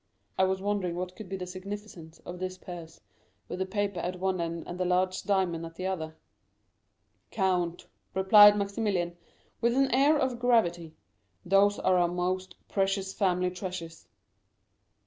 "I was wondering what could be the significance of this purse, with the paper at one end and the large diamond at the other." "Count," replied Maximilian, with an air of gravity, "those are our most precious family treasures."